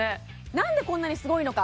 何でこんなにすごいのか？